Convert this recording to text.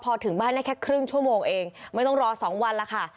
พอถึงบ้านได้แค่ครึ่งชั่วโมงเองไม่ต้องรอ๒วันแล้วค่ะ